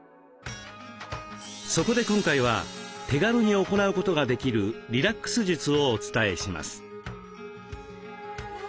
そこで今回は手軽に行うことができるリラックス術をお伝えします。